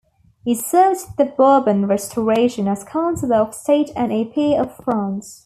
He served the Bourbon Restoration as councillor of state and a Peer of France.